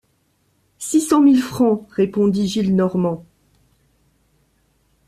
Six cent mille francs! répondit Gillenormand.